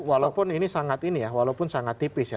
walaupun ini sangat ini ya walaupun sangat tipis ya